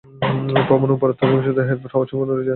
প্রমাণ এবং প্রত্যক্ষদর্শীদের হেরফের হওয়ার সম্ভাবনা রয়েছে।